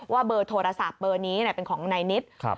เบอร์โทรศัพท์เบอร์นี้เป็นของนายนิด